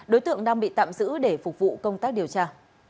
đối tượng đang bị tạm giữ để phục vụ công tác điều tra